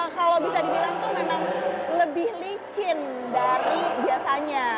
kalau bisa dibilang itu memang lebih licin dari biasanya